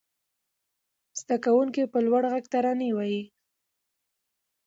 زده کوونکي په لوړ غږ ترانې وايي.